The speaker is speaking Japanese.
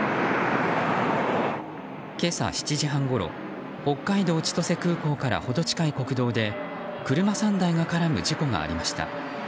今朝７時半ごろ北海道千歳空港から程近い国道で車３台が絡む事故がありました。